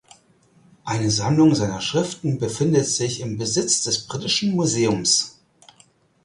Eine Sammlung seiner Schriften befindet sich im Besitz des Britischen Museums.